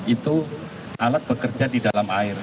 itu alat bekerja di dalam air